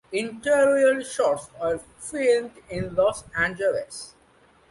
Interior shots were filmed in Los Angeles.